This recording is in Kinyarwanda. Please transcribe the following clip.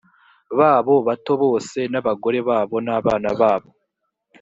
babo bato bose n abagore babo n abana babo